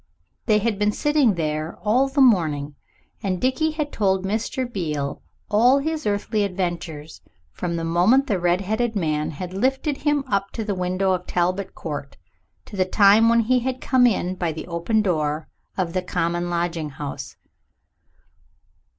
They had been sitting there all the morning, and Dickie had told Mr. Beale all his earthly adventures from the moment the redheaded man had lifted him up to the window of Talbot Court to the time when he had come in by the open door of the common lodging house.